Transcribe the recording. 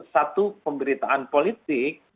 satu pemberitaan politik